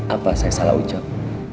apa saya salah ucap